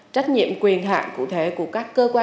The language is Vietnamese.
trách nhiệm quyền hạn cụ thể của các cơ quan